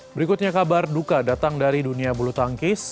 berikutnya kabar duka datang dari dunia bulu tangkis